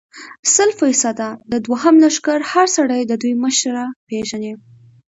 سل فیصده، د دوهم لښکر هر سړی د دوی مشره پېژني.